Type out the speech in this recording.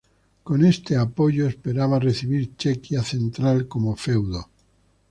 Con este apoyo esperaba recibir Chequia central como feudo.